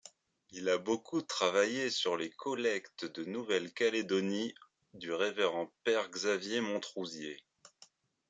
Il a beaucoup travaillé sur les collectes de Nouvelle-Calédonie du Révérend Père Xavier Montrouzier.